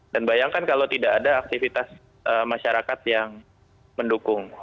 dan bayangkan kalau tidak ada aktivitas masyarakat yang mendukung